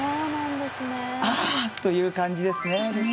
ああという感じですね。